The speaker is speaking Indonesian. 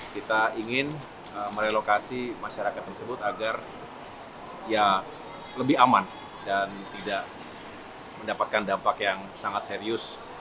kita ingin merelokasi masyarakat tersebut agar lebih aman dan tidak mendapatkan dampak yang sangat serius